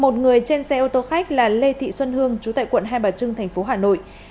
một người trên xe ô tô khách là lê thị xuân hương chú tại quận hai bà trưng thành phố hà nội